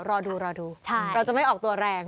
รอดูรอดูเราจะไม่ออกตัวแรง